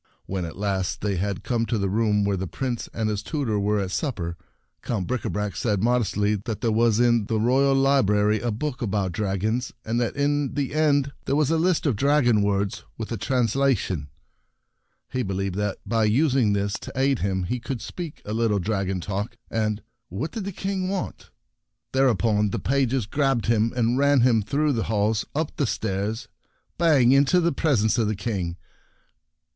When at last they had come to the room where the Prince and his tutor were at supper, Count Bricabrac said modestly that there was in Who Can ? Modest Tutor 38 The Prince A Helpful the royal library a book about Book dragons, and that in the end there was a list of dragon words with a translation. He believed that by using this to aid him he could speak a little dragon talk, and — what did the King want? Thereupon the pages grabbed him, and ran him through the halls, up the stairs, bang into the presence of the King.